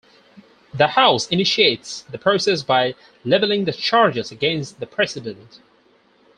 The house initiates the process by leveling the charges against the President.